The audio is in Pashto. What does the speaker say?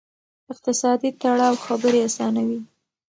اقتصادي تړاو خبرې آسانوي.